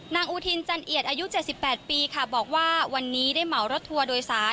อุทินจันเอียดอายุ๗๘ปีค่ะบอกว่าวันนี้ได้เหมารถทัวร์โดยสาร